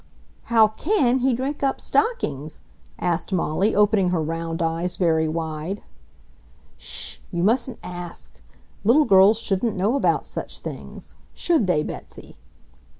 "How CAN he drink up stockings!" asked Molly, opening her round eyes very wide. "Sh! You mustn't ask. Little girls shouldn't know about such things, should they, Betsy?"